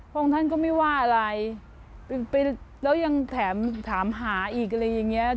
พวกท่านก็ไม่ว่าอะไรแล้วยังถามหาอีกอะไรอย่างนี้